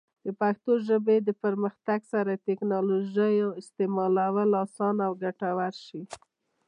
د پښتو ژبې د پرمختګ سره، د ټیکنالوجۍ استعمال اسانه او ګټور شي.